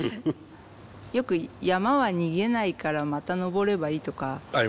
よく「山は逃げないからまた登ればいい」とかあるじゃないですか。